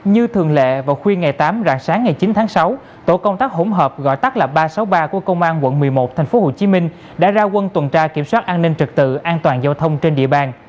như thường lệ vào khuya ngày tám rạng sáng ngày chín tháng sáu tổ công tác hỗn hợp gọi tắt là ba trăm sáu mươi ba của công an quận một mươi một tp hcm đã ra quân tuần tra kiểm soát an ninh trực tự an toàn giao thông trên địa bàn